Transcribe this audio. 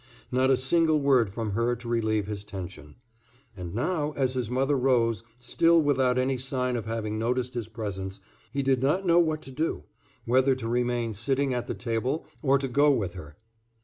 Not a single word from her to relieve his tension. And now as his mother rose, still without any sign of having noticed his presence, he did not know what to do, whether to remain sitting at the table or to go with her.